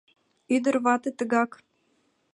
Ӱдыр-вате, тыгак